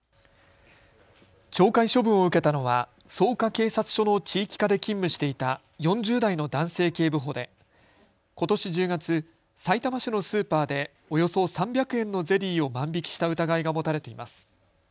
懲戒処分を受けたのは草加警察署の地域課で勤務していた４０代の男性警部補でことし１０月、さいたま市のスーパーでおよそ３００円のゼリーを万引きした疑いが持たれています。